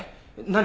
何？